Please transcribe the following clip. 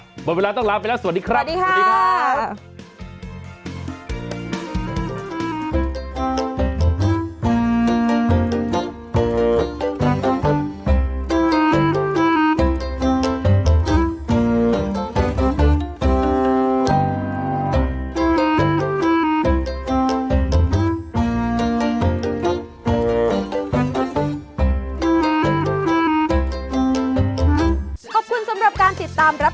หมดเวลาต้องลาไปแล้วสวัสดีครับ